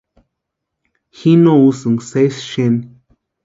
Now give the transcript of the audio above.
Ji no úsïnka sési xeni.